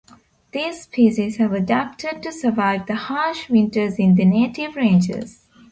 These species have adapted to survive the harsh winters in their native ranges.